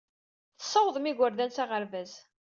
Tessawḍem igerdan s aɣerbaz.